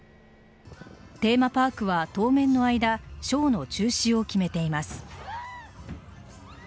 テーマパークは当面の間ショーの中止を決めています。